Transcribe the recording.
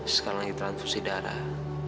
sekarang lagi transfusi darah